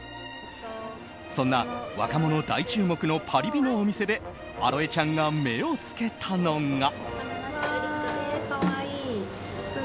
そんな若者大注目のパリビのお店であろえちゃんが目を付けたのが。